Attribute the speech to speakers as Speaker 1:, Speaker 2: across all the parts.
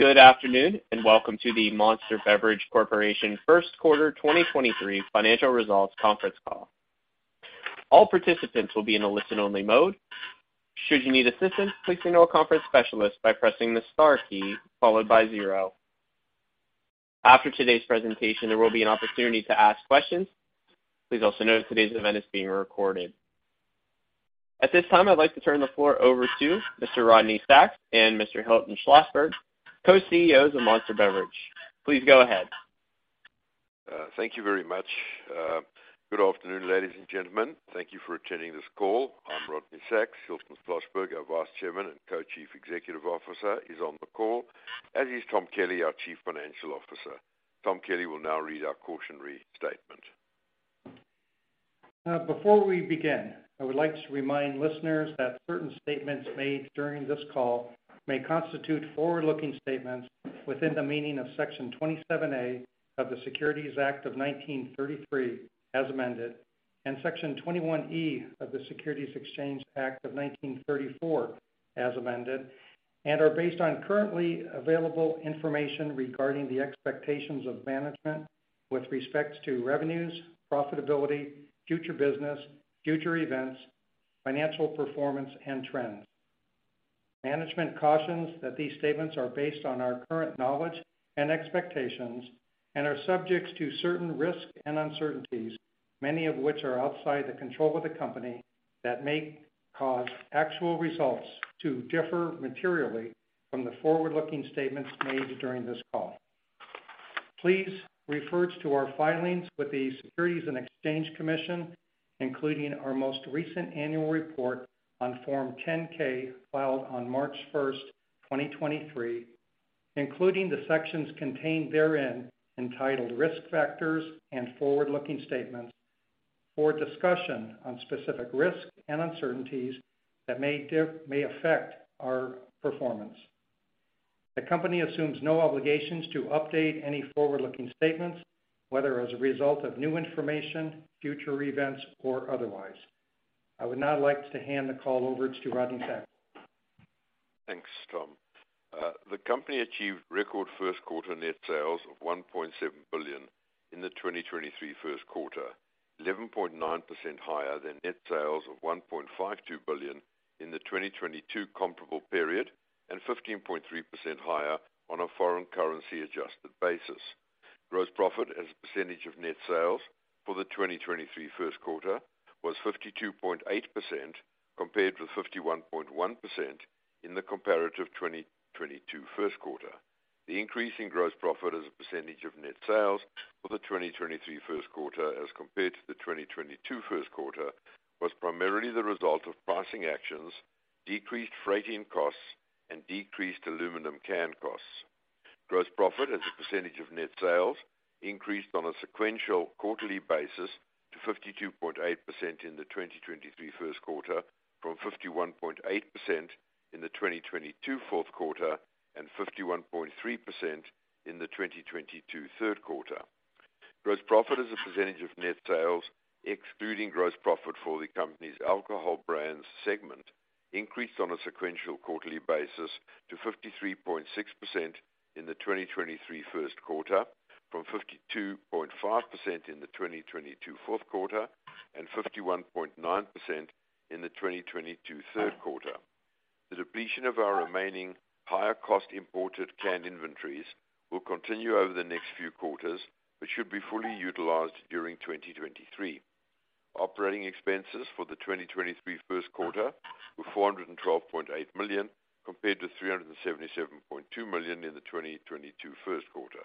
Speaker 1: Good afternoon, welcome to the Monster Beverage Corporation First Quarter 2023 Financial Results Conference Call. All participants will be in a listen-only mode. Should you need assistance, please signal a conference specialist by pressing the star key followed by zero. After today's presentation, there will be an opportunity to ask questions. Please also note today's event is being recorded. At this time, I'd like to turn the floor over to Mr. Rodney Sacks and Mr. Hilton Schlosberg, Co-CEOs of Monster Beverage. Please go ahead.
Speaker 2: Thank you very much. Good afternoon, ladies and gentlemen. Thank you for attending this call. I'm Rodney Sacks. Hilton Schlosberg, our Vice Chairman and Co-Chief Executive Officer, is on the call, as is Tom Kelly our Chief Financial Officer. Thomas Kelly will now read our cautionary statement.
Speaker 3: Before we begin, I would like to remind listeners that certain statements made during this call may constitute forward-looking statements within the meaning of Section 27A of the Securities Act of 1933 as amended, and Section 21E of the Securities Exchange Act of 1934 as amended, and are based on currently available information regarding the expectations of management with respect to revenues, profitability, future business, future events, financial performance and trends. Management cautions that these statements are based on our current knowledge and expectations and are subjects to certain risks and uncertainties, many of which are outside the control of the company, that may cause actual results to differ materially from the forward-looking statements made during this call. Please refer to our filings with the Securities and Exchange Commission, including our most recent annual report on Form 10-K filed on March first, 2023, including the sections contained therein, entitled Risk Factors and Forward-Looking Statements, for a discussion on specific risks and uncertainties that may affect our performance. The company assumes no obligations to update any forward-looking statements, whether as a result of new information, future events, or otherwise. I would now like to hand the call over to Rodney Sacks.
Speaker 2: Thanks, Tom. The company achieved record first quarter net sales of $1.7 billion in the 2023 first quarter, 11.9% higher than net sales of $1.52 billion in the 2022 comparable period and 15.3% higher on a foreign currency adjusted basis. Gross profit as a percentage of net sales for the 2023 first quarter was 52.8% compared to 51.1% in the comparative 2022 first quarter. The increase in gross profit as a percentage of net sales for the 2023 first quarter as compared to the 2022 first quarter was primarily the result of pricing actions, decreased freight-in costs, and decreased aluminum can costs. Gross profit as a percentage of net sales increased on a sequential quarterly basis to 52.8% in the 2023 first quarter from 51.8% in the 2022 fourth quarter and 51.3% in the 2022 third quarter. Gross profit as a percentage of net sales, excluding gross profit for the company's alcohol brands segment, increased on a sequential quarterly basis to 53.6% in the 2023 first quarter from 52.5% in the 2022 fourth quarter and 51.9% in the 2022 third quarter. The depletion of our remaining higher cost imported canned inventories will continue over the next few quarters, but should be fully utilized during 2023. Operating expenses for the 2023 first quarter were $412.8 million, compared to $377.2 million in the 2022 first quarter.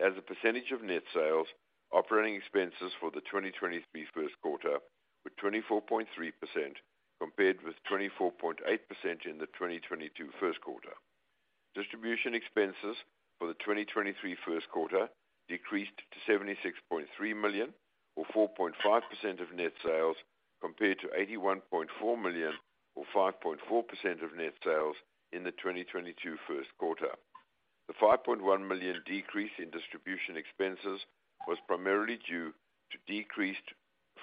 Speaker 2: As a percentage of net sales, operating expenses for the 2023 first quarter were 24.3% compared with 24.8% in the 2022 first quarter. Distribution expenses for the 2023 first quarter decreased to $76.3 million or 4.5% of net sales, compared to $81.4 million or 5.4% of net sales in the 2022 first quarter. The $5.1 million decrease in distribution expenses was primarily due to decreased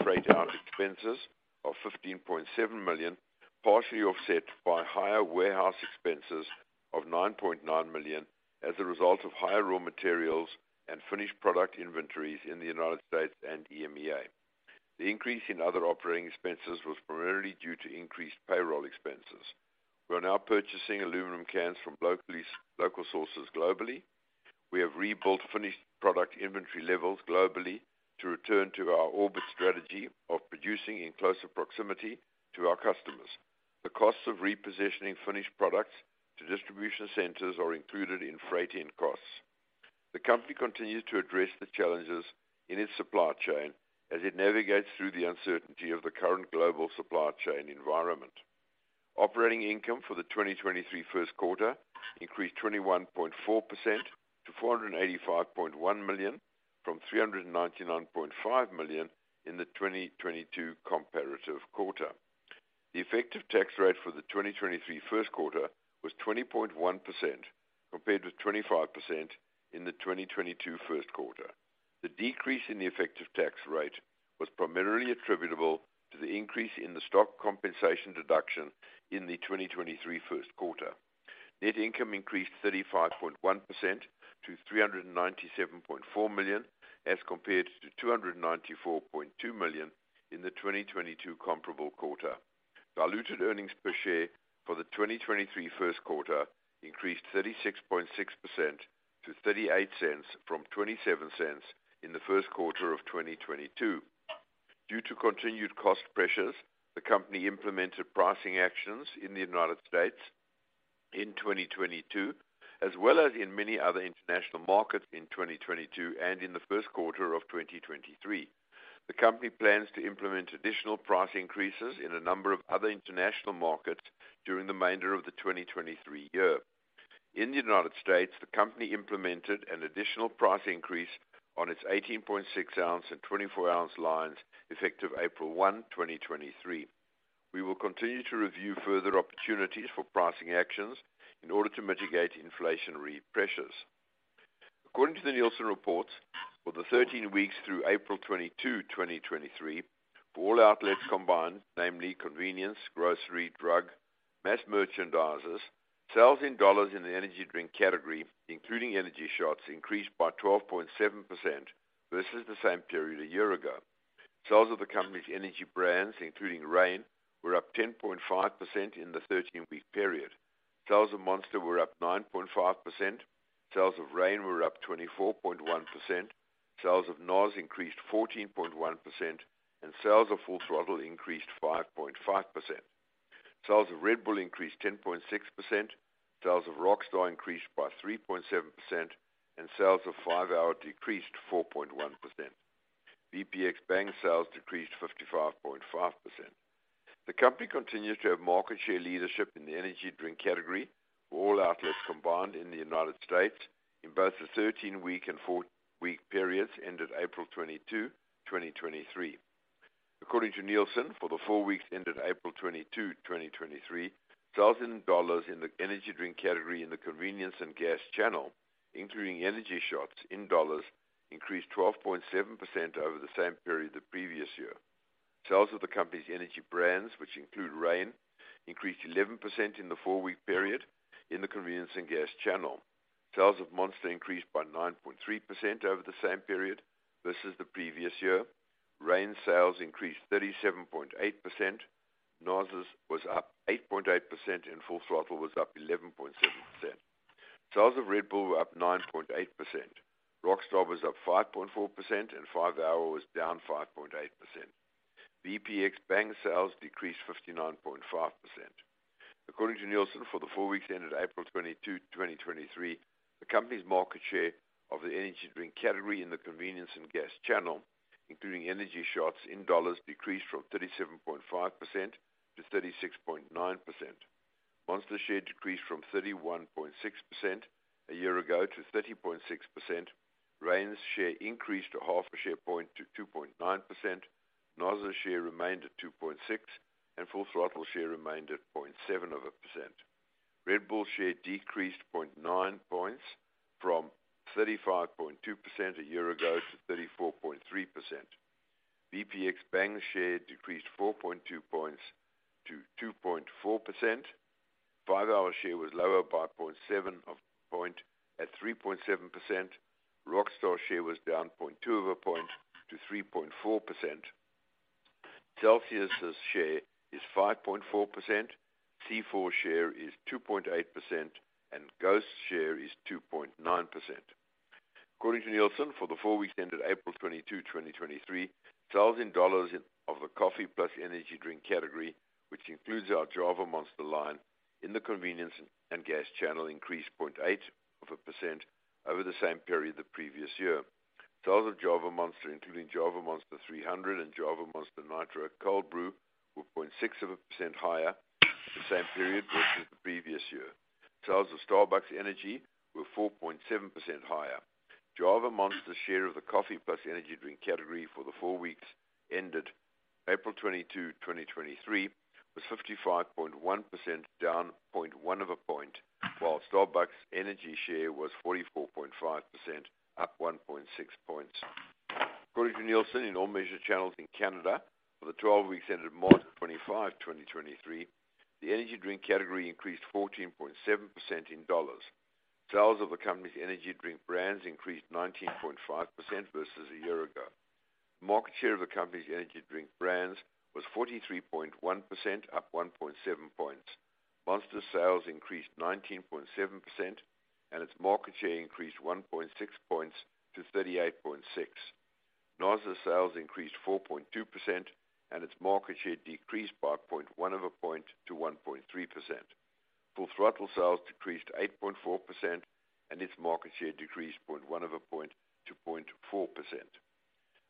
Speaker 2: freight-out expenses of $15.7 million, partially offset by higher warehouse expenses of $9.9 million as a result of higher raw materials and finished product inventories in the United States and EMEA. The increase in other operating expenses was primarily due to increased payroll expenses. We are now purchasing aluminum cans from local sources globally. We have rebuilt finished product inventory levels globally to return to our orbit strategy of producing in closer proximity to our customers. The costs of repositioning finished products to distribution centers are included in freight-in costs. The company continues to address the challenges in its supply chain as it navigates through the uncertainty of the current global supply chain environment. Operating income for the 2023 first quarter increased 21.4% to $485.1 million from $399.5 million in the 2022 comparative quarter. The effective tax rate for the 2023 first quarter was 20.1%, compared with 25% in the 2022 first quarter. The decrease in the effective tax rate was primarily attributable to the increase in the stock compensation deduction in the 2023 first quarter. Net income increased 35.1% to $397.4 million, as compared to $294.2 million in the 2022 comparable quarter. Diluted earnings per share for the 2023 first quarter increased 36.6% to $0.38 from $0.27 in the first quarter of 2022. Due to continued cost pressures, the company implemented pricing actions in the United States in 2022, as well as in many other international markets in 2022 and in the first quarter of 2023. The company plans to implement additional price increases in a number of other international markets during the remainder of the 2023 year. In the United States, the company implemented an additional price increase on its 18.6 and 24 ounce lines effective April 1, 2023. We will continue to review further opportunities for pricing actions in order to mitigate inflationary pressures. According to the Nielsen reports, for the 13 weeks through April 22, 2023, for all outlets combined, namely convenience, grocery, drug, mass merchandisers, sales in dollars in the energy drink category, including energy shots, increased by 12.7% versus the same period a year ago. Sales of the company's energy brands, including Reign, were up 10.5% in the 13-week period. Sales of Monster were up 9.5%, sales of Reign were up 24.1%, sales of NOS increased 14.1%, and sales of Full Throttle increased 5.5%. Sales of Red Bull increased 10.6%, sales of Rockstar increased by 3.7%, and sales of 5-hour decreased 4.1%. VPX Bang sales decreased 55.5%. The company continues to have market share leadership in the energy drink category for all outlets combined in the United States in both the 13-week and four week periods ended April 22, 2023. According to Nielsen, for the four weeks ended April 22, 2023, sales in dollars in the energy drink category in the convenience and gas channel, including energy shots in dollars, increased 12.7% over the same period the previous year. Sales of the company's energy brands, which include Reign, increased 11% in the four week period in the convenience and gas channel. Sales of Monster increased by 9.3% over the same period versus the previous year. Reign sales increased 37.8%, NOS's was up 8.8%, and Full Throttle was up 11.7%. Sales of Red Bull were up 9.8%. Rockstar was up 5.4% and 5-hour was down 5.8%. VPX Bang sales decreased 59.5%. According to Nielsen, for the four weeks ended April 22, 2023, the company's market share of the energy drink category in the convenience and gas channel, including energy shots in dollars, decreased from 37.5% to 36.9%. Monster share decreased from 31.6% a year ago to 30.6%. Reign's share increased a half a share point to 2.9%. NOS's share remained at 2.6%, and Full Throttle share remained at 0.7% of a percent. Red Bull share decreased 0.9 points from 35.2% a year ago to 34.3%. VPX Bang share decreased 4.2 points to 2.4%. 5-hour share was lower by 0.7 of a point at 3.7%. Rockstar share was down 0.2 of a point to 3.4%. Celsius's share is 5.4%, C4 share is 2.8%, and GHOST share is 2.9%. According to Nielsen, for the four weeks ended April 22, 2023, sales in dollars of the coffee plus energy drink category, which includes our Java Monster line in the convenience and gas channel, increased 0.8% over the same period the previous year. Sales of Java Monster, including Java Monster 300 and Java Monster Nitro Cold Brew, were 0.6% higher the same period versus the previous year. Sales of Starbucks Energy were 4.7% higher. Java Monster's share of the coffee plus energy drink category for the 4 weeks ended April 22, 2023, was 55.1%, down 0.1 of a point, while Starbucks Energy share was 44.5%, up 1.6 points. According to Nielsen, in all measured channels in Canada for the 12 weeks ended March 25, 2023, the energy drink category increased 14.7% in dollars. Sales of the company's energy drink brands increased 19.5% versus a year ago. Market share of the company's energy drink brands was 43.1%, up 1.7 points. Monster sales increased 19.7% and its market share increased 1.6 points to 38.6%. NOS sales increased 4.2% and its market share decreased by 0.1 of a point to 1.3%. Full Throttle sales decreased 8.4% and its market share decreased 0.1 of a point to 0.4%.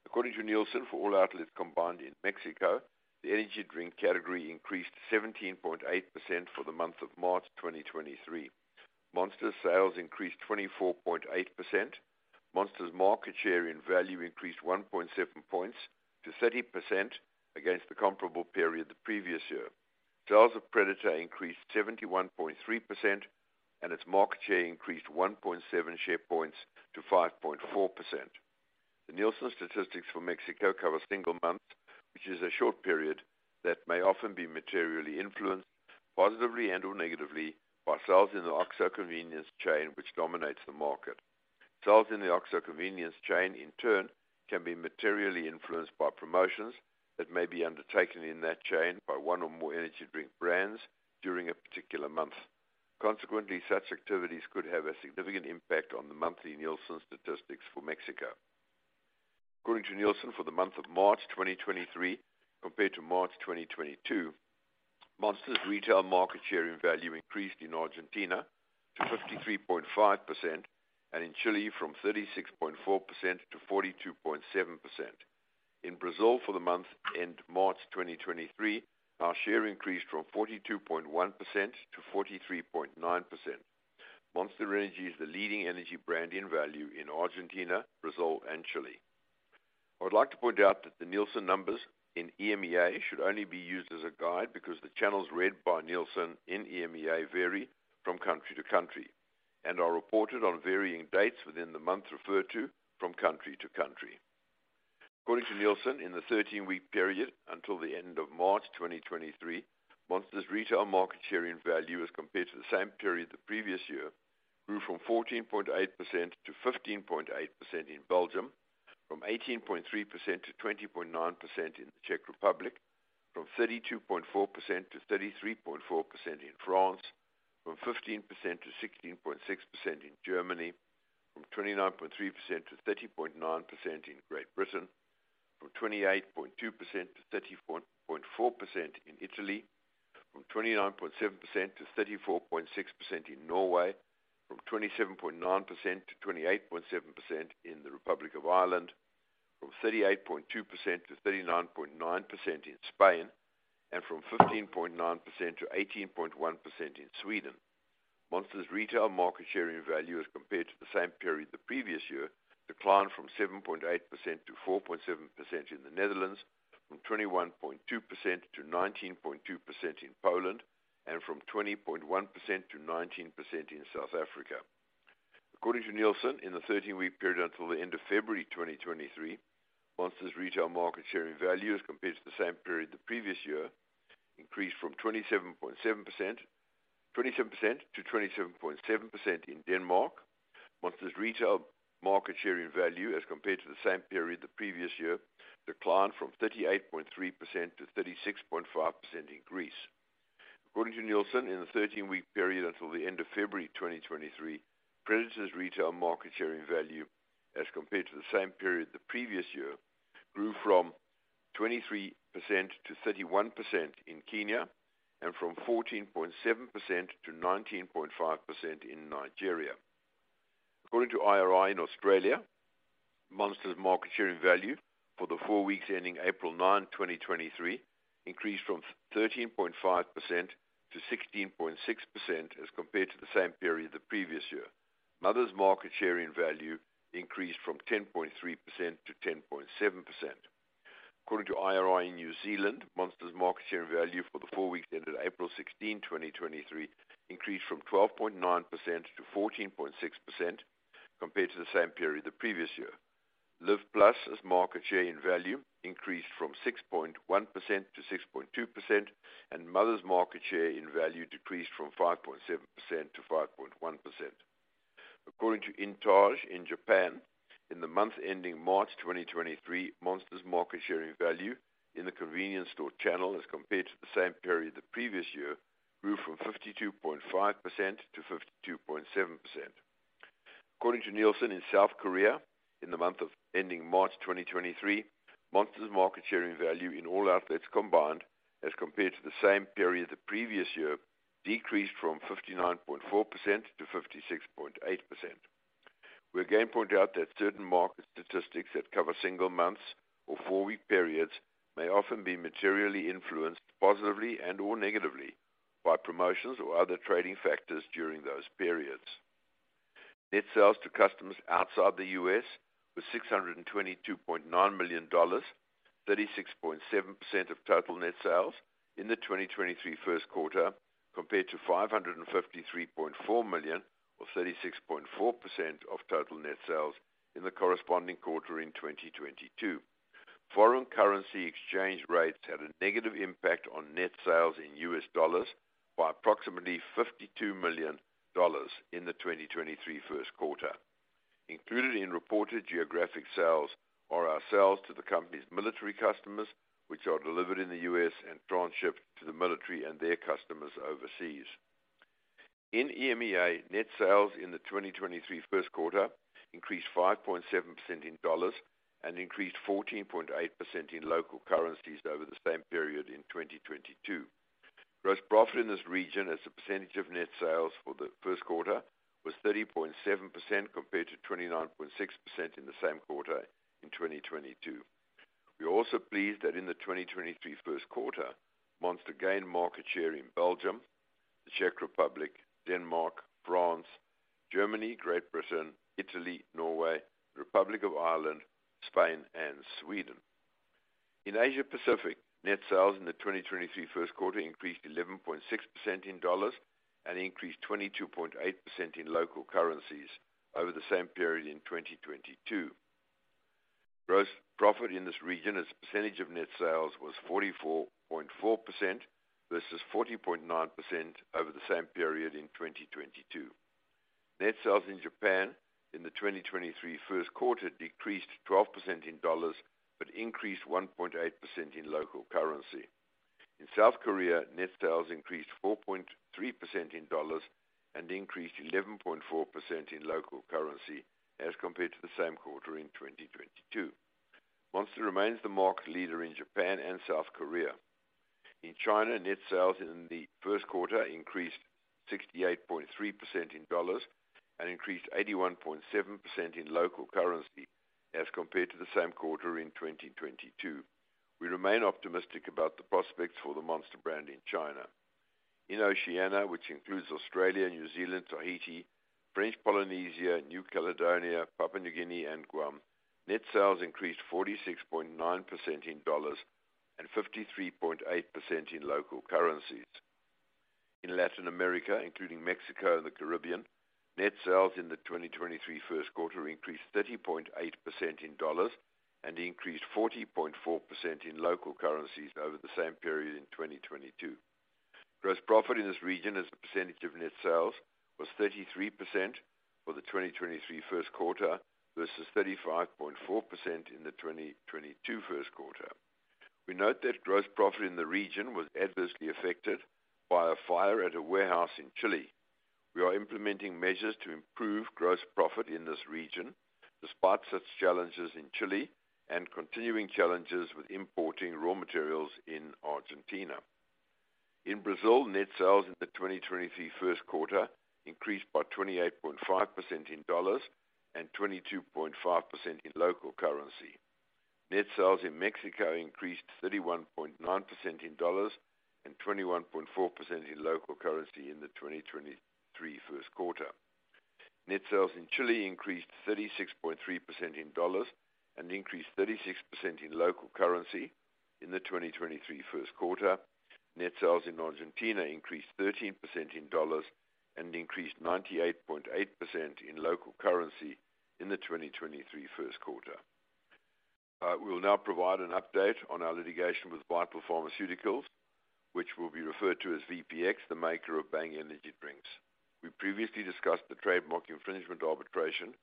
Speaker 2: According to Nielsen, for all outlets combined in Mexico, the energy drink category increased 17.8% for the month of March 2023. Monster sales increased 24.8%. Monster's market share in value increased 1.7 points to 30% against the comparable period the previous year. Sales of Predator increased 71.3% and its market share increased 1.7 share points to 5.4%. The Nielsen statistics for Mexico cover single months, which is a short period that may often be materially influenced positively and/or negatively by sales in the OXXO convenience chain, which dominates the market. Sales in the OXXO convenience chain, in turn, can be materially influenced by promotions that may be undertaken in that chain by one or more energy drink brands during a particular month. Consequently, such activities could have a significant impact on the monthly Nielsen statistics for Mexico. According to Nielsen, for the month of March 2023 compared to March 2022, Monster's retail market share in value increased in Argentina to 53.5%, and in Chile from 36.4% to 42.7%. In Brazil for the month end March 2023, our share increased from 42.1% to 43.9%. Monster Energy is the leading energy brand in value in Argentina, Brazil and Chile. I would like to point out that the Nielsen numbers in EMEA should only be used as a guide because the channels read by Nielsen in EMEA vary from country to country and are reported on varying dates within the month referred to from country to country. According to Nielsen, in the 13-week period until the end of March 2023, Monster's retail market share in value as compared to the same period the previous year grew from 14.8% to 15.8% in Belgium, from 18.3% to 20.9% in the Czech Republic, from 32.4% to 33.4% in France, from 15% to 16.6% in Germany, from 29.3% to 30.9% in Great Britain, from 28.2% to 34.4% in Italy, from 29.7% to 34.6% in Norway, from 27.9% to 28.7% in the Republic of Ireland, from 38.2% to 39.9% in Spain, and from 15.9% to 18.1% in Sweden. Monster's retail market share in value as compared to the same period the previous year declined from 7.8% to 4.7% in the Netherlands, from 21.2% to 19.2% in Poland, and from 20.1% to 19% in South Africa. According to Nielsen, in the 13-week period until the end of February 2023, Monster's retail market share in value as compared to the same period the previous year increased from 27% to 27.7% in Denmark. Monster's retail market share in value as compared to the same period the previous year declined from 38.3% to 36.5% in Greece. According to Nielsen, in the 13-week period until the end of February 2023, Predator's retail market share in value as compared to the same period the previous year grew from 23% to 31% in Kenya and from 14.7% to 19.5% in Nigeria. According to IRI in Australia, Monster's market share in value for the four weeks ending April 9, 2023 increased from 13.5% to 16.6% as compared to the same period the previous year. Mother's market share in value increased from 10.3% to 10.7%. According to IRI in New Zealand, Monster's market share in value for the four weeks ending April 16, 2023 increased from 12.9% to 14.6% compared to the same period the previous year. LIV+ as market share in value increased from 6.1%-6.2%, and Mother's market share in value decreased from 5.7%-5.1%. According to INTAGE in Japan, in the month ending March 2023, Monster's market share in value in the convenience store channel as compared to the same period the previous year grew from 52.5%-52.7%. According to Nielsen in South Korea, in the month of ending March 2023, Monster's market share in value in all outlets combined as compared to the same period the previous year decreased from 59.4%-56.8%. We again point out that certain market statistics that cover single months or four-week periods may often be materially influenced positively and/or negatively by promotions or other trading factors during those periods. Net sales to customers outside the U.S. was $622.9 million, 36.7% of total net sales in the 2023 first quarter, compared to $553.4 million, or 36.4% of total net sales in the corresponding quarter in 2022. Foreign currency exchange rates had a negative impact on net sales in U.S. dollars by approximately $52 million in the 2023 first quarter. Included in reported geographic sales are our sales to the company's military customers, which are delivered in the U.S. and transshipped to the military and their customers overseas. In EMEA, net sales in the 2023 first quarter increased 5.7% in dollars and increased 14.8% in local currencies over the same period in 2022. Gross profit in this region as a percentage of net sales for the first quarter was 30.7% compared to 29.6% in the same quarter in 2022. We are also pleased that in the 2023 first quarter, Monster gained market share in Belgium, the Czech Republic, Denmark, France, Germany, Great Britain, Italy, Norway, Republic of Ireland, Spain, and Sweden. In Asia Pacific, net sales in the 2023 first quarter increased 11.6% in dollars and increased 22.8% in local currencies over the same period in 2022. Gross profit in this region as a percentage of net sales was 44.4% versus 40.9% over the same period in 2022. Net sales in Japan in the 2023 first quarter decreased 12% in dollars, but increased 1.8% in local currency. In South Korea, net sales increased 4.3% in dollars and increased 11.4% in local currency as compared to the same quarter in 2022. Monster remains the market leader in Japan and South Korea. In China, net sales in the first quarter increased 68.3% in dollars and increased 81.7% in local currency as compared to the same quarter in 2022. We remain optimistic about the prospects for the Monster brand in China. In Oceania, which includes Australia, New Zealand, Tahiti, French Polynesia, New Caledonia, Papua New Guinea, and Guam, net sales increased 46.9% in dollars and 53.8% in local currencies. In Latin America, including Mexico and the Caribbean, net sales in the 2023 first quarter increased 30.8% in dollars and increased 40.4% in local currencies over the same period in 2022. Gross profit in this region as a percentage of net sales was 33% for the 2023 first quarter versus 35.4% in the 2022 first quarter. We note that gross profit in the region was adversely affected by a fire at a warehouse in Chile. We are implementing measures to improve gross profit in this region despite such challenges in Chile and continuing challenges with importing raw materials in Argentina. In Brazil, net sales in the 2023 first quarter increased by 28.5% in dollars and 22.5% in local currency. Net sales in Mexico increased 31.9% in dollars and 21.4% in local currency in the 2023 first quarter. Net sales in Chile increased 36.3% in dollars and increased 36% in local currency in the 2023 first quarter. Net sales in Argentina increased 13% in dollars and increased 98.8% in local currency in the 2023 first quarter. We will now provide an update on our litigation with Vital Pharmaceuticals, which will be referred to as VPX, the maker of Bang energy drinks. We previously discussed the trademark infringement arbitration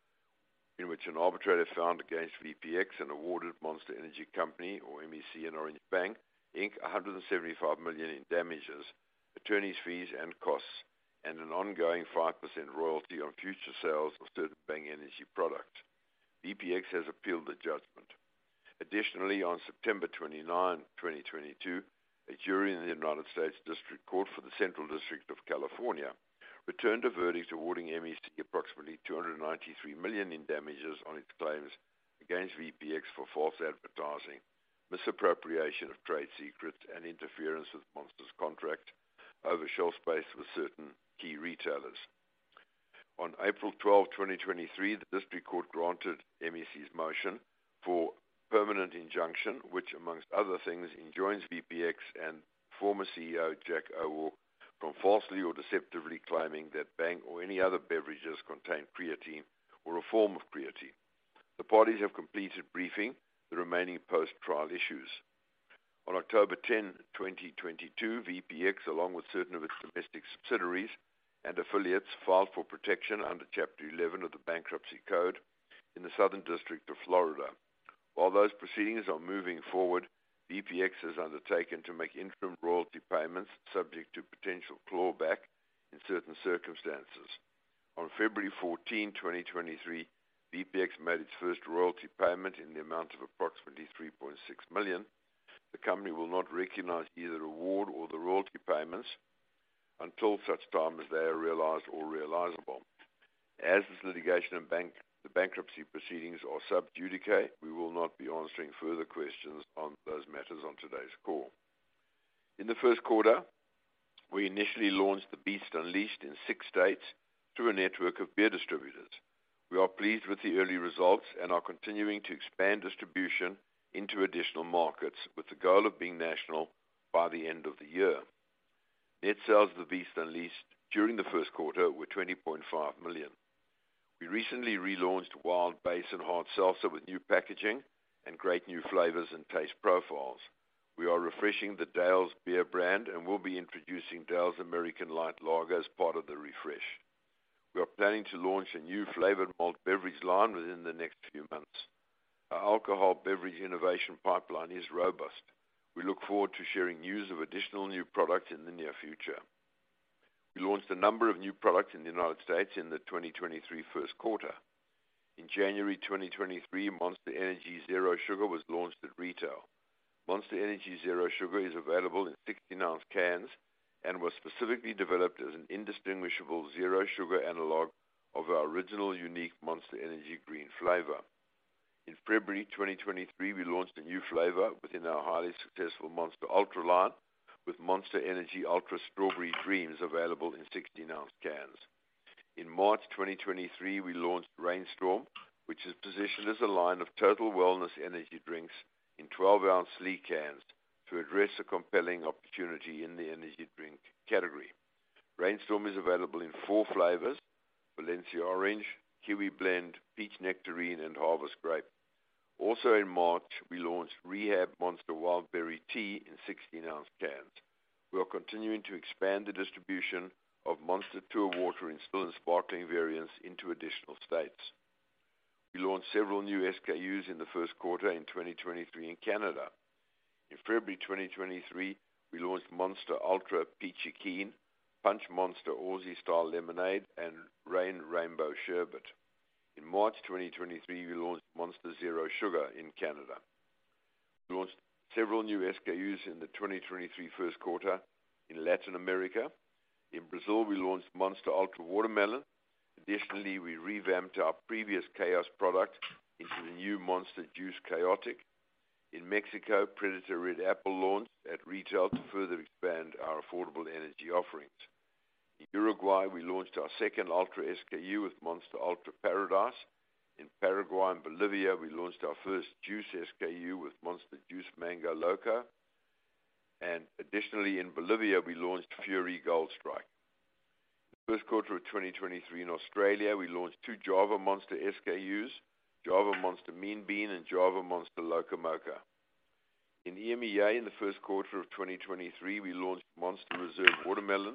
Speaker 2: in which an arbitrator found against VPX and awarded Monster Energy Company, or MEC and Orange Bang, Inc $175 million in damages, attorney's fees and costs, and an ongoing 5% royalty on future sales of certain Bang energy products. VPX has appealed the judgment. Additionally, on September 29, 2022, a jury in the United States District Court for the Central District of California returned a verdict awarding MEC approximately $293 million in damages on its claims against VPX for false advertising, misappropriation of trade secrets, and interference with Monster's contract over shelf space with certain key retailers. On April 12, 2023, the District Court granted MEC's motion for permanent injunction, which amongst other things, enjoins VPX and former CEO Jack Owoc from falsely or deceptively claiming that Bang or any other beverages contain creatine or a form of creatine. The parties have completed briefing the remaining post-trial issues. On October 10, 2022, VPX, along with certain of its domestic subsidiaries and affiliates, filed for protection under Chapter 11 of the Bankruptcy Code in the Southern District of Florida. While those proceedings are moving forward, VPX has undertaken to make interim royalty payments subject to potential clawback in certain circumstances. On February 14, 2023, VPX made its first royalty payment in the amount of approximately $3.6 million. The company will not recognize either award or the royalty payments until such time as they are realized or realizable. As this litigation and the bankruptcy proceedings are sub judice, we will not be answering further questions on those matters on today's call. In the first quarter, we initially launched The Beast Unleashed in six states through a network of beer distributors. We are pleased with the early results and are continuing to expand distribution into additional markets with the goal of being national by the end of the year. Net sales of The Beast Unleashed during the first quarter were $20.5 million. We recently relaunched Wild Basin and Hard Seltzer with new packaging and great new flavors and taste profiles. We are refreshing the Dale's Beer brand and will be introducing Dale's American Light Lager as part of the refresh. We are planning to launch a new flavored malt beverage line within the next few months. Our alcohol beverage innovation pipeline is robust. We look forward to sharing news of additional new products in the near future. We launched a number of new products in the United States in the 2023 first quarter. In January 2023, Monster Energy Zero Sugar was launched at retail. Monster Energy Zero Sugar is available in 16-ounce cans and was specifically developed as an indistinguishable zero sugar analog of our original unique Monster Energy green flavor. In February 2023, we launched a new flavor within our highly successful Monster Ultra line with Monster Energy Ultra Strawberry Dreams available in 16-ounce cans. In March 2023, we launched Reign Storm, which is positioned as a line of total wellness energy drinks in 12-ounce SLEEK cans to address a compelling opportunity in the energy drink category. Reign Storm is available in four flavors: Valencia Orange, Kiwi Blend, Peach Nectarine and Harvest Grape. In March, we launched Rehab Monster Wild Berry Tea in 16-ounce cans. We are continuing to expand the distribution of Monster Tour Water in still and sparkling variants into additional states. We launched several new SKUs in the first quarter in 2023 in Canada. In February 2023, we launched Monster Ultra Peachy Keen, Punch Monster Aussie Style Lemonade and Reign REIGNbow Sherbet. In March 2023, we launched Monster Energy Zero Sugar in Canada. We launched several new SKUs in the 2023 first quarter in Latin America. In Brazil, we launched Monster Energy Ultra Watermelon. Additionally, we revamped our previous Khaos product into the new Juiced Monster Khaotic. In Mexico, Predator Red Apple launched at retail to further expand our affordable energy offerings. In Uruguay, we launched our second Ultra SKU with Monster Ultra Paradise. In Paraguay and Bolivia, we launched our first Juice SKU with Monster Mango Loco. Additionally, in Bolivia, we launched Fury Gold Strike. First quarter of 2023 in Australia, we launched two Java Monster SKUs, Java Monster Mean Bean and Java Monster Loca Moca. In EMEA, in the first quarter of 2023, we launched Monster Reserve Watermelon,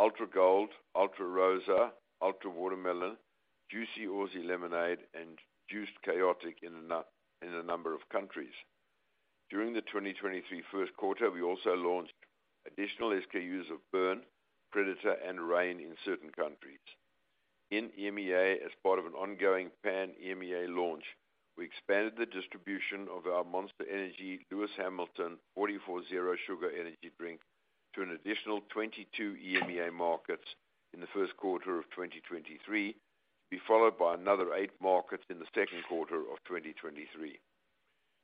Speaker 2: Ultra Gold, Ultra Rosá, Ultra Watermelon, Juicy Aussie Lemonade and Juiced Khaotic in a number of countries. During the 2023 first quarter, we also launched additional SKUs of Burn, Predator and Reign in certain countries. In EMEA, as part of an ongoing pan-EMEA launch, we expanded the distribution of our Monster Energy Lewis Hamilton 44 Zero Sugar energy drink to an additional 22 EMEA markets in the first quarter of 2023, to be followed by another eight markets in the second quarter of 2023.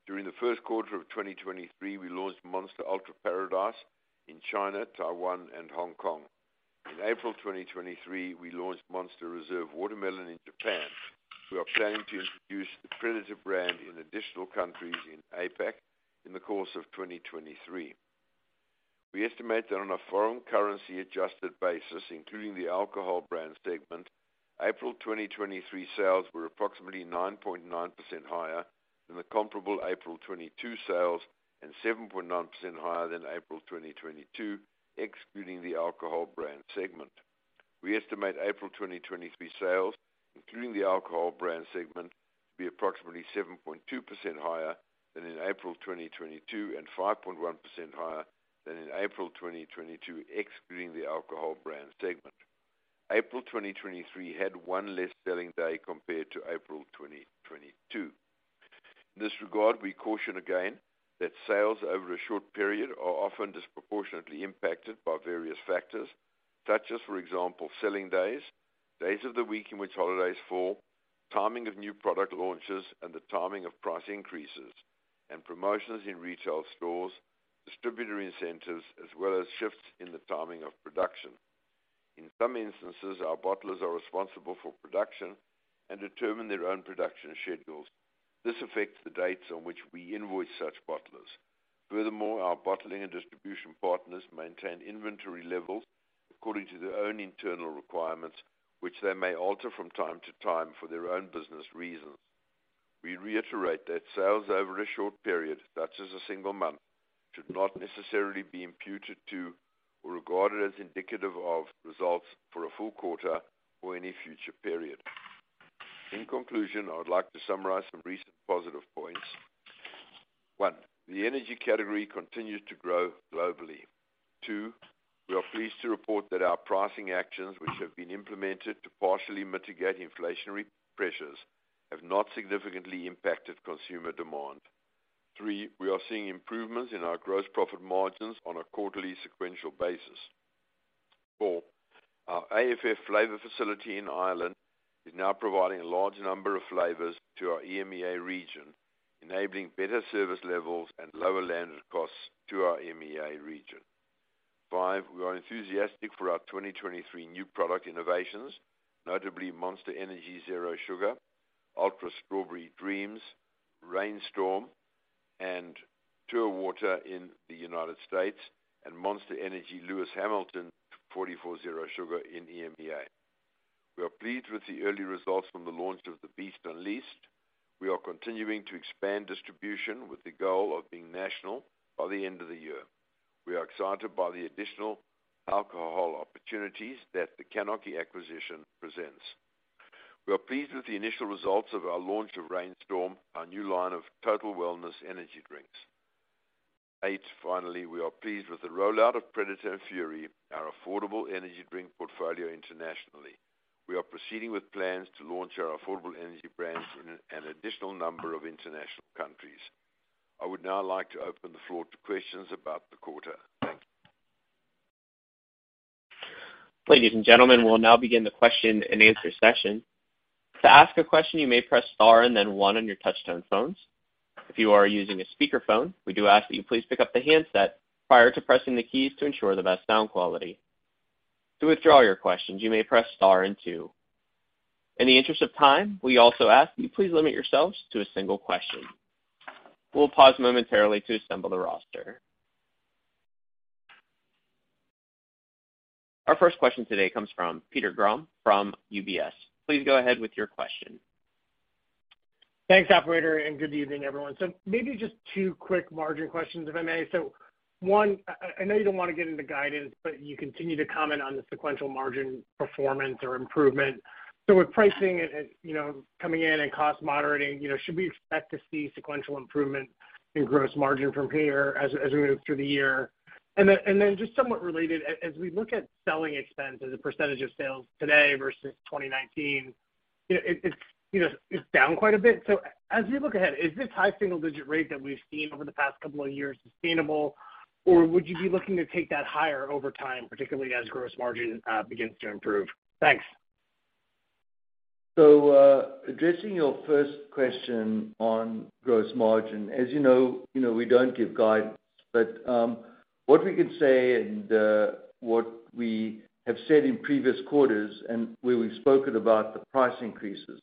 Speaker 2: During the first quarter of 2023, we launched Monster Ultra Paradise in China, Taiwan and Hong Kong. In April 2023, we launched Monster Reserve Watermelon in Japan. We are planning to introduce the Predator brand in additional countries in APAC in the course of 2023. We estimate that on a foreign currency adjusted basis, including the alcohol brand segment, April 2023 sales were approximately 9.9% higher than the comparable April 2022 sales and 7.9% higher than April 2022, excluding the alcohol brand segment. We estimate April 2023 sales, including the alcohol brand segment, to be approximately 7.2% higher than in April 2022 and 5.1% higher than in April 2022, excluding the alcohol brand segment. April 2023 had 1 less selling day compared to April 2022. In this regard, we caution again that sales over a short period are often disproportionately impacted by various factors, such as, for example, selling days of the week in which holidays fall, timing of new product launches and the timing of price increases and promotions in retail stores, distributor incentives, as well as shifts in the timing of production. In some instances, our bottlers are responsible for production and determine their own production schedules. This affects the dates on which we invoice such bottlers. Furthermore, our bottling and distribution partners maintain inventory levels according to their own internal requirements, which they may alter from time to time for their own business reasons. We reiterate that sales over a short period, such as a single month, should not necessarily be imputed to or regarded as indicative of results for a full quarter or any future period. In conclusion, I would like to summarize some recent positive points. One. The energy category continues to grow globally. Two. We are pleased to report that our pricing actions, which have been implemented to partially mitigate inflationary pressures, have not significantly impacted consumer demand. Three. We are seeing improvements in our gross profit margins on a quarterly sequential basis. Four. Our AFF flavor facility in Ireland is now providing a large number of flavors to our EMEA region, enabling better service levels and lower landed costs to our EMEA region. Five. We are enthusiastic for our 2023 new product innovations, notably Monster Energy Zero Sugar, Ultra Strawberry Dreams, Reign Storm and Tour Water in the United States, and Monster Energy Lewis Hamilton LH44 Zero Sugar in EMEA. We are pleased with the early results from the launch of The Beast Unleashed. We are continuing to expand distribution with the goal of being national by the end of the year. We are excited by the additional alcohol opportunities that the CANarchy acquisition presents. We are pleased with the initial results of our launch of Reign Storm, our new line of total wellness energy drinks. 8, finally, we are pleased with the rollout of Predator and Fury, our affordable energy drink portfolio internationally. We are proceeding with plans to launch our affordable energy brands in an additional number of international countries. I would now like to open the floor to questions about the quarter.
Speaker 1: Ladies and gentlemen, we'll now begin the question-and-answer session. To ask a question, you may press star and then one on your touch-tone phones. If you are using a speakerphone, we do ask that you please pick up the handset prior to pressing the keys to ensure the best sound quality. To withdraw your questions, you may press star and two. In the interest of time, we also ask that you please limit yourselves to a single question. We'll pause momentarily to assemble the roster. Our first question today comes from Peter Grom from UBS. Please go ahead with your question.
Speaker 4: Thanks, operator, and good evening, everyone. Maybe just two quick margin questions, if I may. One, I know you don't wanna get into guidance, but you continue to comment on the sequential margin performance or improvement. With pricing, you know, coming in and cost moderating, you know, should we expect to see sequential improvement in gross margin from here as we move through the year? Just somewhat related, as we look at selling expense as a percentage of sales today versus 2019, it, you know, is down quite a bit. As we look ahead, is this high single-digit rate that we've seen over the past couple of years sustainable, or would you be looking to take that higher over time, particularly as gross margin begins to improve? Thanks.
Speaker 5: Addressing your first question on gross margin, as you know, you know, we don't give guidance. What we can say and what we have said in previous quarters and where we've spoken about the price increases,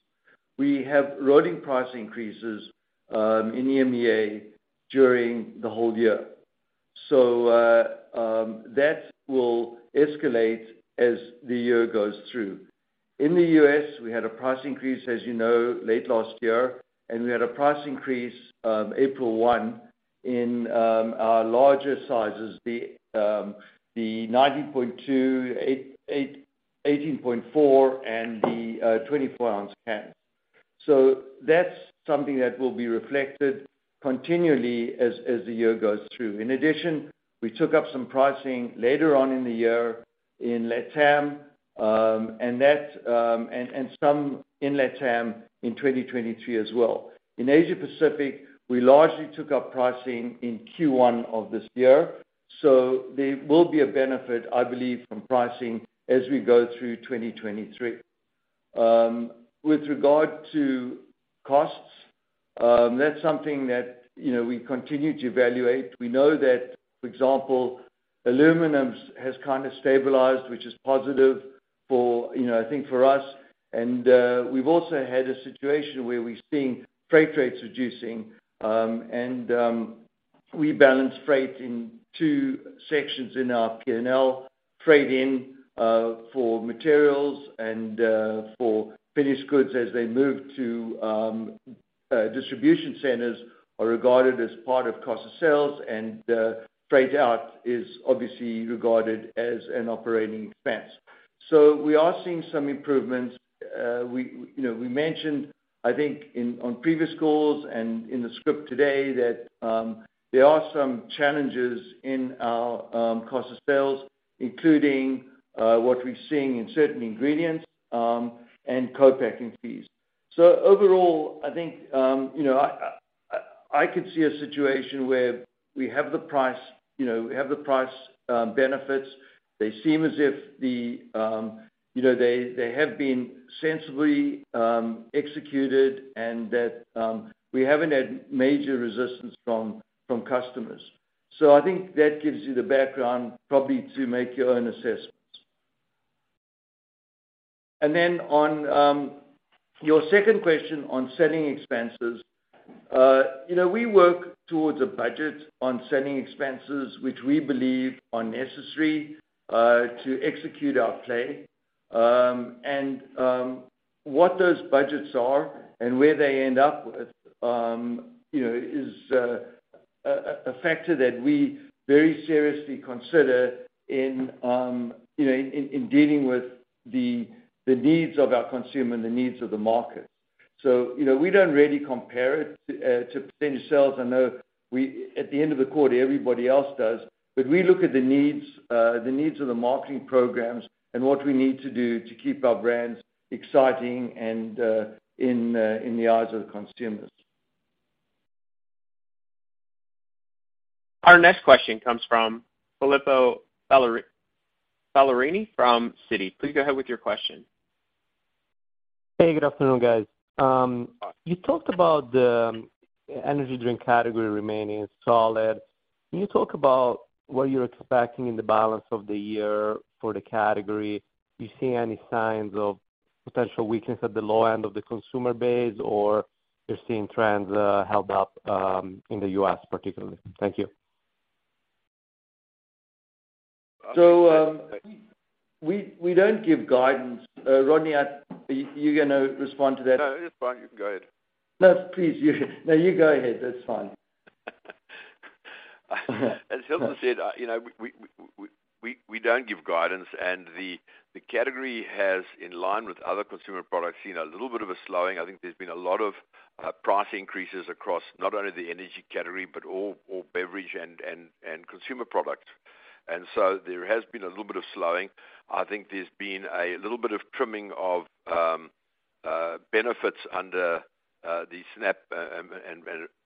Speaker 5: we have loading price increases in EMEA during the whole year. That will escalate as the year goes through. In the U.S., we had a price increase, as you know, late last year, and we had a price increase on April 1 in our larger sizes, the 90.2, 18.4, and the 24 ounce cans. That's something that will be reflected continually as the year goes through. In addition, we took up some pricing later on in the year in LATAM, and some in LATAM in 2023 as well. In Asia Pacific, we largely took up pricing in Q1 of this year, there will be a benefit, I believe, from pricing as we go through 2023. With regard to costs, that's something that, you know, we continue to evaluate. We know that, for example, aluminum has kind of stabilized, which is positive for, you know, I think for us. We've also had a situation where we're seeing freight rates reducing, we balance freight in two sections in our P&L. Freight in for materials and for finished goods as they move to distribution centers, are regarded as part of cost of sales, and freight out is obviously regarded as an operating expense. We are seeing some improvements. We, you know, we mentioned, I think on previous calls and in the script today that there are some challenges in our cost of sales, including what we're seeing in certain ingredients and co-packing fees. Overall, I think, you know, I could see a situation where we have the price, you know, we have the price benefits. They seem as if the, you know, they have been sensibly executed and that we haven't had major resistance from customers. I think that gives you the background probably to make your own assessments. On, you know, your second question on selling expenses, we work towards a budget on selling expenses, which we believe are necessary to execute our play. What those budgets are and where they end up with, you know, is a factor that we very seriously consider in, you know, in dealing with the needs of our consumer and the needs of the market. You know, we don't really compare it to potential sales. At the end of the quarter, everybody else does. We look at the needs, the needs of the marketing programs and what we need to do to keep our brands exciting and in the eyes of the consumers.
Speaker 1: Our next question comes from Filippo Falorni from Citi. Please go ahead with your question.
Speaker 6: Hey, good afternoon, guys. You talked about the energy drink category remaining solid. Can you talk about what you're expecting in the balance of the year for the category? Are you seeing any signs of potential weakness at the low end of the consumer base, or you're seeing trends held up in the U.S. particularly? Thank you.
Speaker 5: We don't give guidance. Rodney, are you gonna respond to that?
Speaker 2: No, it is fine. You can go ahead.
Speaker 5: No, please. No, you go ahead. That's fine.
Speaker 2: As Hilton said, you know, we don't give guidance. The category has, in line with other consumer products, seen a little bit of a slowing. I think there's been a lot of price increases across not only the energy category, but all beverage and consumer products. There has been a little bit of slowing. I think there's been a little bit of trimming of. Benefits under the SNAP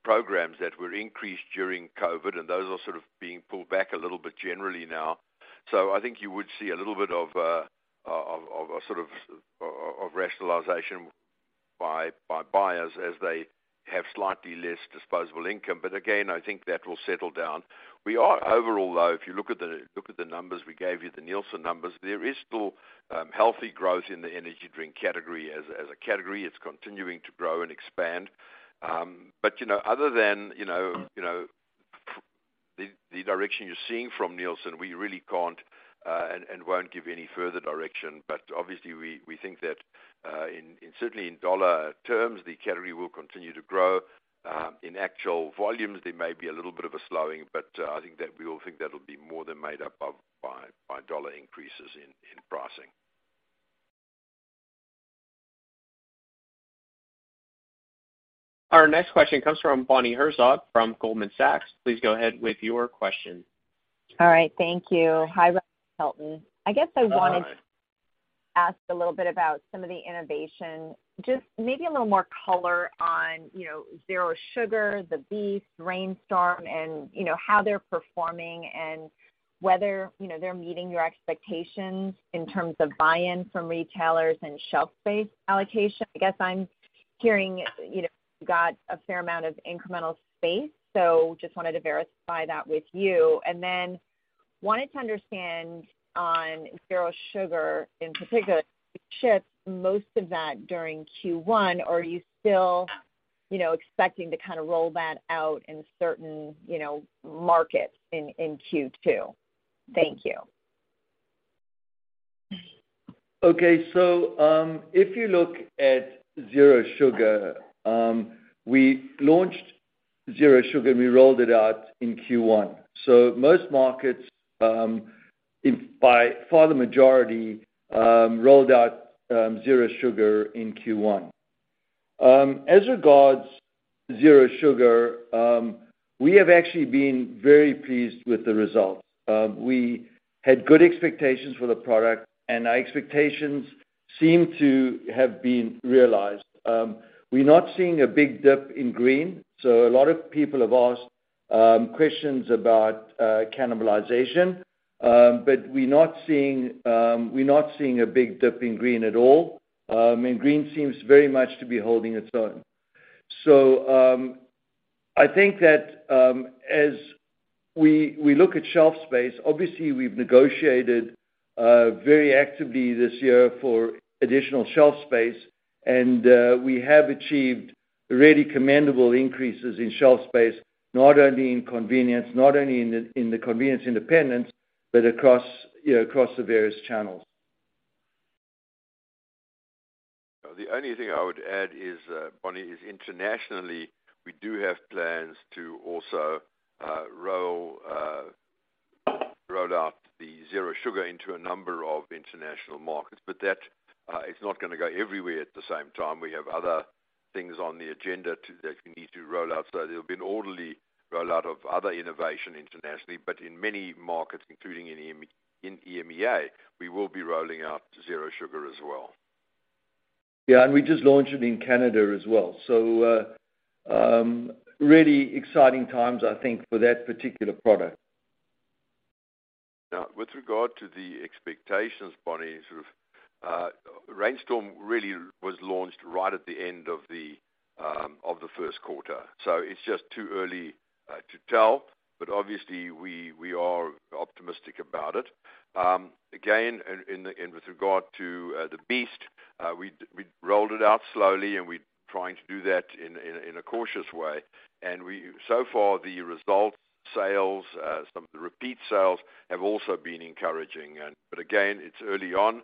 Speaker 2: programs that were increased during COVID, and those are sort of being pulled back a little bit generally now. I think you would see a little bit of a sort of rationalization by buyers as they have slightly less disposable income. Again, I think that will settle down. We are overall low. If you look at the numbers we gave you, the Nielsen numbers, there is still healthy growth in the energy drink category. As a category, it's continuing to grow and expand. You know, other than, you know, you know, the direction you're seeing from Nielsen, we really can't and won't give any further direction. Obviously we think that, in certainly in dollar terms, the category will continue to grow. In actual volumes, there may be a little bit of a slowing, but I think that we all think that'll be more than made up of by dollar increases in pricing.
Speaker 1: Our next question comes from Bonnie Herzog from Goldman Sachs. Please go ahead with your question.
Speaker 7: All right. Thank you. Hi, Rodney and Hilton. I guess I wanted to ask a little bit about some of the innovation, just maybe a little more color on, you know, Zero Sugar, the Beast, Reign Storm, and, you know, how they're performing and whether, you know, they're meeting your expectations in terms of buy-in from retailers and shelf space allocation. I guess I'm hearing, you know, got a fair amount of incremental space, so just wanted to verify that with you. Then wanted to understand on Zero Sugar in particular, you shipped most of that during Q1, are you still, you know, expecting to kinda roll that out in certain, you know, markets in Q2? Thank you.
Speaker 5: Okay. If you look at Zero Sugar, we launched Zero Sugar and we rolled it out in Q1. Most markets, in by far the majority, rolled out Zero Sugar in Q1. As regards Zero Sugar, we have actually been very pleased with the results. We had good expectations for the product, and our expectations seem to have been realized. We're not seeing a big dip in Green, so a lot of people have asked questions about cannibalization. We're not seeing a big dip in Green at all. Green seems very much to be holding its own. I think that, as we look at shelf space, obviously we've negotiated very actively this year for additional shelf space, and we have achieved really commendable increases in shelf space, not only in convenience, not only in the convenience independence, but across, you know, across the various channels.
Speaker 2: The only thing I would add is, Bonnie, internationally, we do have plans to also roll out the Zero Sugar into a number of international markets. That, it's not gonna go everywhere at the same time. We have other things on the agenda that we need to roll out. There'll be an orderly rollout of other innovation internationally, but in many markets, including in EMEA, we will be rolling out Zero Sugar as well.
Speaker 5: Yeah. We just launched it in Canada as well. Really exciting times, I think, for that particular product.
Speaker 2: Now, with regard to the expectations, Bonnie, sort of, Reign Storm really was launched right at the end of the first quarter. It's just too early to tell. Obviously we are optimistic about it. Again, with regard to the Beast, we rolled it out slowly, and we're trying to do that in a cautious way. So far the results, sales, some of the repeat sales have also been encouraging. Again, it's early on.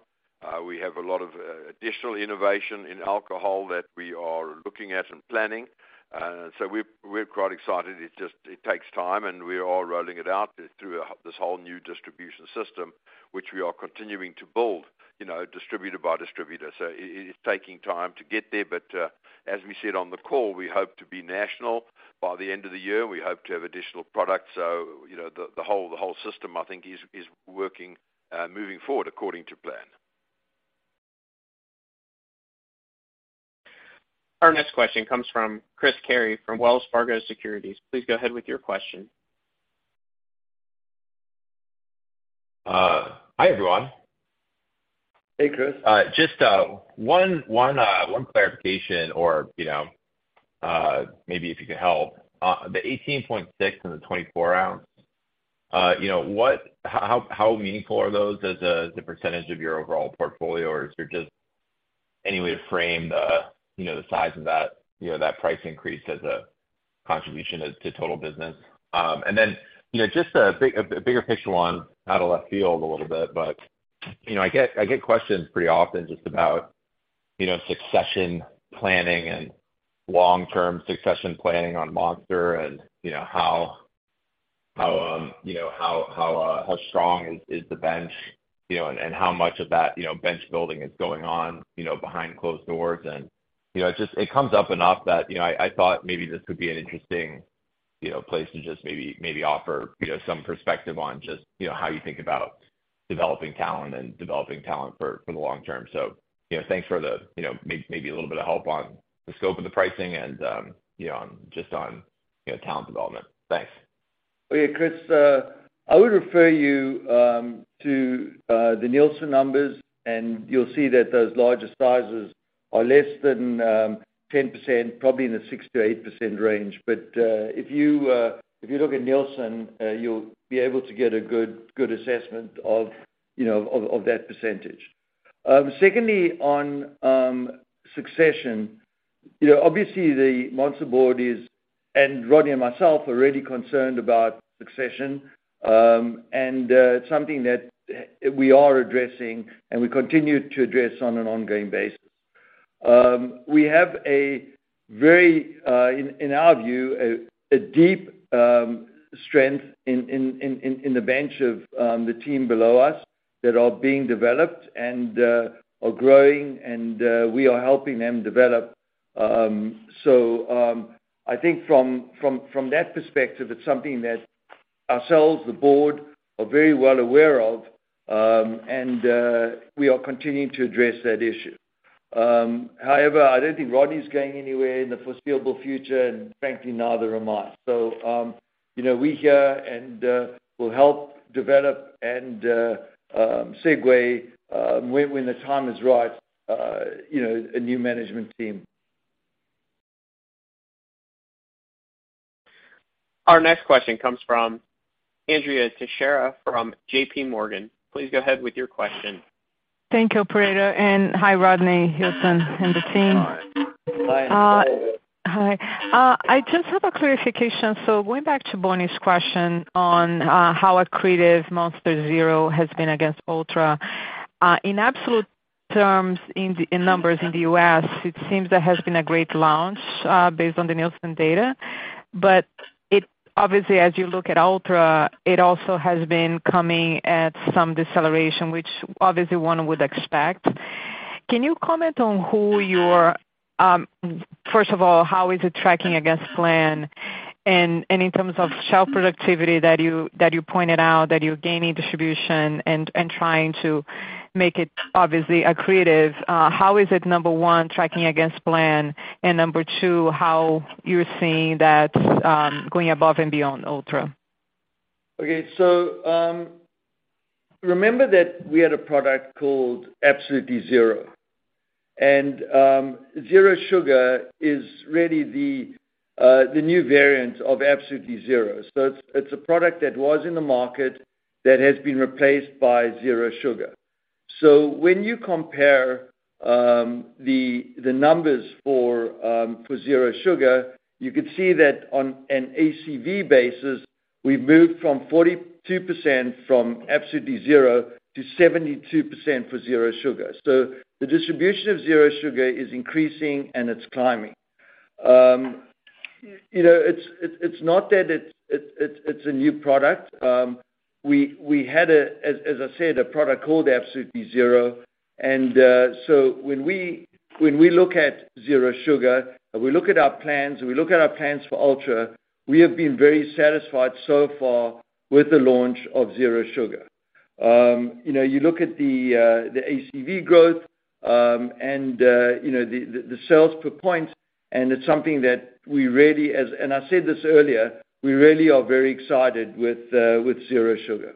Speaker 2: We have a lot of additional innovation in alcohol that we are looking at and planning. We're quite excited. It just, it takes time, and we are rolling it out through this whole new distribution system, which we are continuing to build, you know, distributor by distributor. It's taking time to get there. As we said on the call, we hope to be national by the end of the year. We hope to have additional products. You know, the whole system I think is working moving forward according to plan.
Speaker 1: Our next question comes from Chris Carey from Wells Fargo Securities. Please go ahead with your question.
Speaker 8: Hi, everyone.
Speaker 5: Hey, Chris.
Speaker 8: Just one clarification or, you know, maybe if you could help. The 18.6 and the 24 ounce, you know, How meaningful are those as a percentage of your overall portfolio? Is there just any way to frame the, you know, the size of that, you know, that price increase as a contribution as to total business? You know, just a bigger picture one out of left field a little bit, but, you know, I get questions pretty often just about, you know, succession planning and long-term succession planning on Monster and, you know, how strong is the bench, you know, and how much of that, you know, bench building is going on, you know, behind closed doors? You know, it just, it comes up enough that, you know, I thought maybe this could be an interesting You know, a place to just maybe offer, you know, some perspective on just, you know, how you think about developing talent and developing talent for the long term? Thanks for the, you know, maybe a little bit of help on the scope of the pricing and, you know, on, you know, talent development. Thanks.
Speaker 5: Oh yeah, Chris, I would refer you to the Nielsen numbers, and you'll see that those larger sizes are less than 10%, probably in the 6%-8% range. If you, if you look at Nielsen, you'll be able to get a good assessment of, you know, that percentage. Secondly, on succession, you know, obviously the Monster board is, and Rodney and myself are really concerned about succession. Something that we are addressing and we continue to address on an ongoing basis. We have a very, in our view, a deep strength in the bench of the team below us that are being developed and are growing and we are helping them develop. I think from that perspective, it's something that ourselves, the board, are very well aware of, and we are continuing to address that issue. However, I don't think Rodney's going anywhere in the foreseeable future and frankly, neither am I. You know, we here and will help develop and segue when the time is right, you know, a new management team.
Speaker 1: Our next question comes from Andrea Teixeira from JPMorgan. Please go ahead with your question.
Speaker 9: Thank you, operator. Hi, Rodney, Hilton and the team.
Speaker 5: Hi.
Speaker 9: Hi. I just have a clarification. Going back to Bonnie's question on how accretive Monster Zero has been against Ultra. In absolute terms in the, in numbers in the U.S., it seems there has been a great launch based on the Nielsen data. It obviously, as you look at Ultra, it also has been coming at some deceleration, which obviously one would expect. Can you comment on who your... First of all, how is it tracking against plan? In terms of shelf productivity that you pointed out that you're gaining distribution and trying to make it obviously accretive, how is it, number 1, tracking against plan? Number 2, how you're seeing that going above and beyond Ultra?
Speaker 5: Okay. Remember that we had a product called Absolutely Zero. Zero Sugar is really the new variant of Absolutely Zero. It's a product that was in the market that has been replaced by Zero Sugar. When you compare the numbers for Zero Sugar, you could see that on an ACV basis, we've moved from 42% from Absolutely Zero to 72% for Zero Sugar. The distribution of Zero Sugar is increasing and it's climbing. You know, it's not that it's a new product. We had a, as I said, a product called Absolutely Zero. When we look at Zero Sugar, we look at our plans, we look at our plans for Ultra, we have been very satisfied so far with the launch of Zero Sugar. You know, you look at the ACV growth, and you know, the sales per point, it's something that we really. I said this earlier, we really are very excited with Zero Sugar.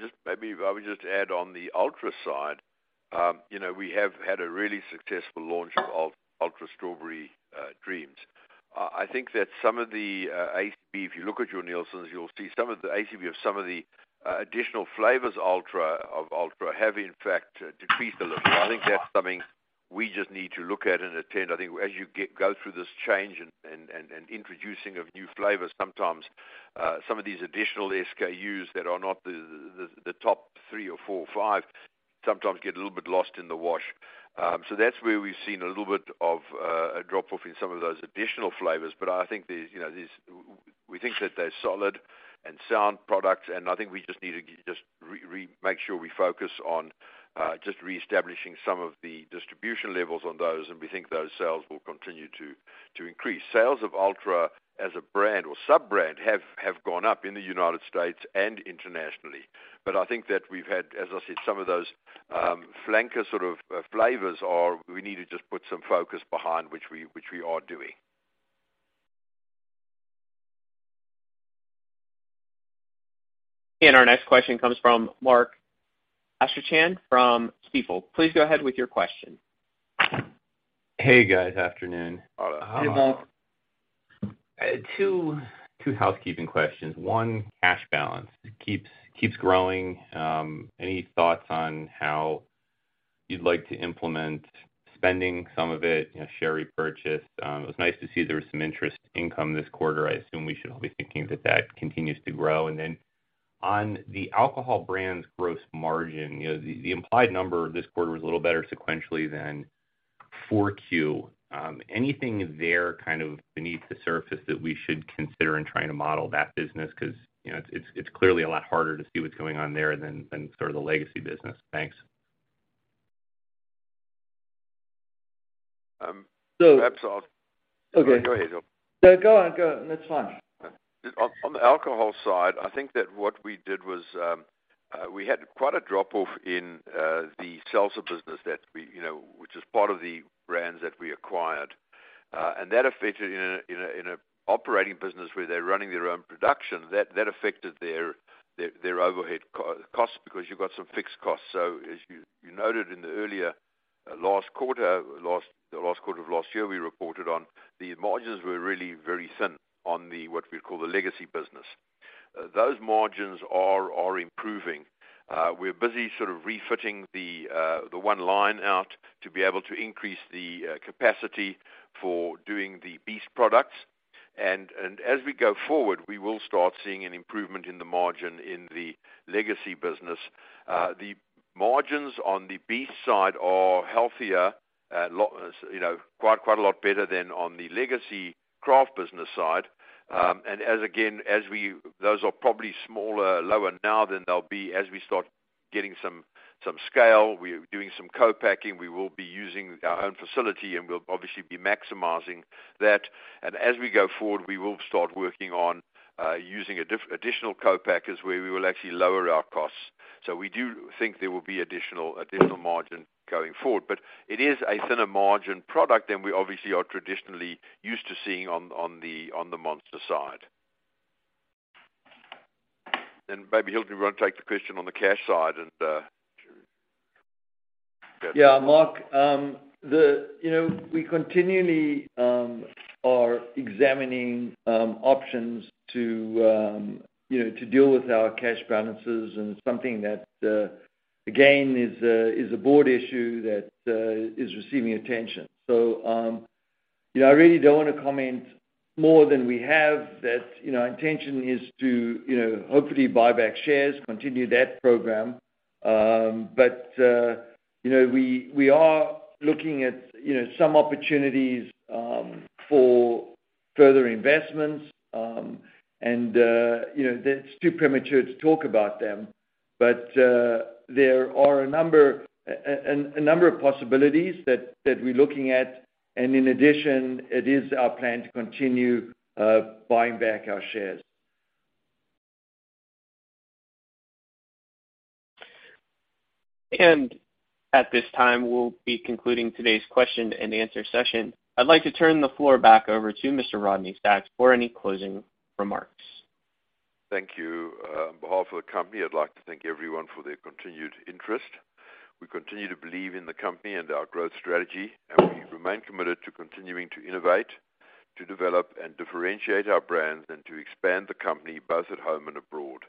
Speaker 2: Just maybe I would just add on the Ultra side. You know, we have had a really successful launch of Ultra Strawberry Dreams. I think that some of the ACV, if you look at your Nielsen, you'll see some of the ACV of some of the additional flavors Ultra, of Ultra have in fact decreased a little. I think that's something we just need to look at and attend. I think as you go through this change and introducing of new flavors, sometimes some of these additional SKUs that are not the top three or four or five sometimes get a little bit lost in the wash. That's where we've seen a little bit of a drop-off in some of those additional flavors. I think there's, you know, these... We think that they're solid and sound products, and I think we just need to just Make sure we focus on just reestablishing some of the distribution levels on those, and we think those sales will continue to increase. Sales of Ultra as a brand or sub-brand have gone up in the United States and internationally. I think that we've had, as I said, some of those flanker sort of flavors are we need to just put some focus behind, which we are doing.
Speaker 1: Our next question comes from Mark Astrachan from Stifel. Please go ahead with your question.
Speaker 10: Hey, guys. Afternoon.
Speaker 5: Hi.
Speaker 10: Two housekeeping questions. One, cash balance. It keeps growing. Any thoughts on how you'd like to implement spending some of it, you know, share repurchase? It was nice to see there was some interest income this quarter. I assume we should all be thinking that that continues to grow. Then on the alcohol brands gross margin, you know, the implied number this quarter was a little better sequentially than 4Q. Anything there kind of beneath the surface that we should consider in trying to model that business? You know, it's clearly a lot harder to see what's going on there than sort of the legacy business. Thanks.
Speaker 2: Perhaps I'll...
Speaker 5: No.
Speaker 2: Go ahead, Hilton.
Speaker 5: No, go on, go. That's fine.
Speaker 2: On the alcohol side, I think that what we did was, we had quite a drop-off in the seltzer business that we, you know, which is part of the brands that we acquired. That affected in an operating business where they're running their own production, that affected their overhead co-costs because you've got some fixed costs. As you noted in the earlier, last quarter, the last quarter of last year we reported on, the margins were really very thin on the what we call the legacy business. Those margins are improving. We're busy sort of refitting the one line out to be able to increase the capacity for doing the Beast products. As we go forward, we will start seeing an improvement in the margin in the legacy business. The margins on the Beast side are healthier, you know, quite a lot better than on the legacy craft business side. As again, as we. Those are probably smaller, lower now than they'll be as we start getting some scale. We're doing some co-packing. We will be using our own facility, and we'll obviously be maximizing that. As we go forward, we will start working on using additional co-packers where we will actually lower our costs. We do think there will be additional margin going forward. It is a thinner margin product than we obviously are traditionally used to seeing on the Monster side. Maybe, Hilton, you wanna take the question on the cash side.
Speaker 5: Yeah. Mark, you know, we continually are examining options to, you know, to deal with our cash balances and something that again is a board issue that is receiving attention. You know, I really don't wanna comment more than we have. That, you know, our intention is to, you know, hopefully buy back shares, continue that program. You know, we are looking at, you know, some opportunities for further investments, and, you know. That's too premature to talk about them. There are a number of possibilities that we're looking at. In addition, it is our plan to continue buying back our shares.
Speaker 1: At this time, we'll be concluding today's question and answer session. I'd like to turn the floor back over to Mr. Rodney Sacks for any closing remarks.
Speaker 2: Thank you. On behalf of the company, I'd like to thank everyone for their continued interest. We continue to believe in the company and our growth strategy, and we remain committed to continuing to innovate, to develop and differentiate our brands, and to expand the company both at home and abroad.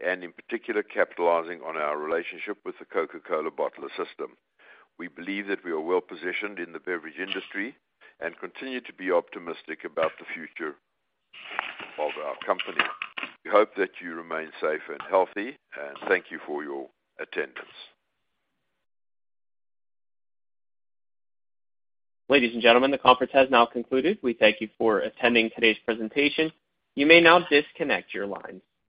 Speaker 2: In particular, capitalizing on our relationship with the Coca-Cola bottler system. We believe that we are well-positioned in the beverage industry and continue to be optimistic about the future of our company. We hope that you remain safe and healthy, and thank you for your attendance.
Speaker 1: Ladies and gentlemen, the conference has now concluded. We thank you for attending today's presentation. You may now disconnect your lines.